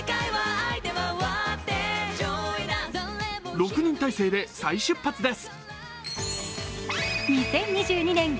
６人体制で再出発です。